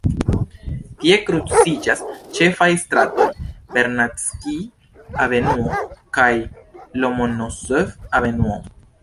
Tie kruciĝas ĉefaj stratoj Vernadskij-avenuo kaj Lomonosov-avenuo.